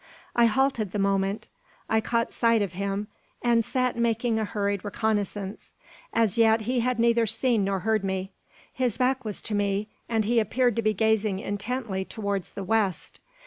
I halted the moment I caught sight of him, and sat making a hurried reconnaissance. As yet he had neither seen nor heard me. His back was to me, and he appeared to be gazing intently towards the west.